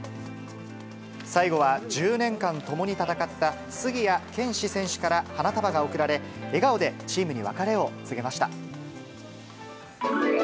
最後は、１０年間共に戦った杉谷拳士選手から花束が贈られ、笑顔でチームに別れを告げました。